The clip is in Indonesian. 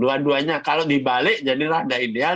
dua duanya kalau dibalik jadi rada ideal